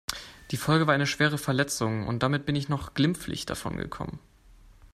Die Folge war eine schwere Verletzung und damit bin ich noch glimpflich davon gekommen.